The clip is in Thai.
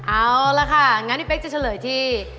เอาละค่ะงั้นพี่เป๊กจะเฉลยที่